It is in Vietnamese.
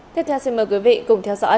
tiếp theo xin mời quý vị cùng theo dõi